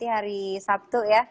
hari sabtu ya